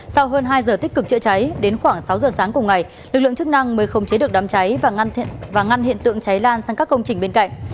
sau hơn hai giờ tích cực chữa cháy đến khoảng sáu giờ sáng cùng ngày lực lượng chức năng mới khống chế được đám cháy và ngăn hiện tượng cháy lan sang các công trình bên cạnh